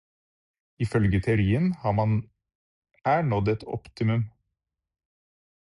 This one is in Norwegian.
Ifølge teorien har man her nådd et optimum.